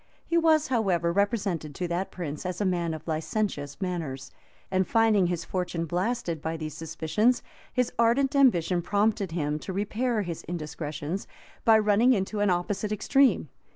He was, however, represented to that prince as a man of licentious manners;[*] and finding his fortune blasted by these suspicions, his ardent ambition prompted him to repair his indiscretions, by running into an opposite extreme.